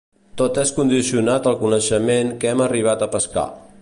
Tot és condicionat al coneixement que hem arribat a pescar.